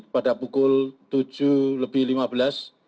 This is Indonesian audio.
pada pukul tujuh lebih lima belas